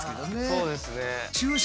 そうですね。